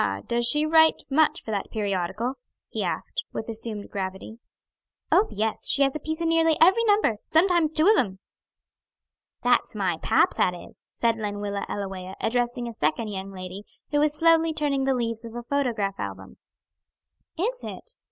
does she write much for that periodical?" he asked, with assumed gravity. "Oh, yes, she has a piece in nearly every number; sometimes two of 'em." "That's my pap, that is," said Lenwilla Ellawea, addressing a second young lady, who was slowly turning the leaves of a photograph album. "Is it?"